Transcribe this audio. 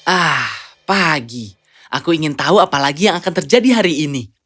ah pagi aku ingin tahu apa lagi yang akan terjadi hari ini